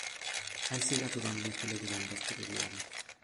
A ese gato tan viejo le quedan dos telediarios